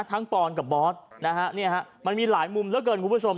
ทั้งปอนกับบอสมันมีหลายมุมแล้วกันครับคุณผู้ชม